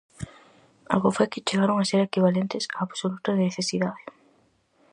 Abofé que chegaron a ser equivalentes á absoluta necesidade.